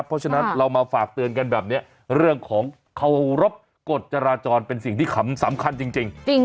เพราะฉะนั้นเรามาฝากเตือนกันแบบนี้เรื่องของเคารพกฎจราจรเป็นสิ่งที่สำคัญจริง